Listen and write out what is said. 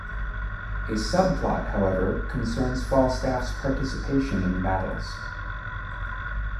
A subplot, however, concerns Falstaff's participation in the battles.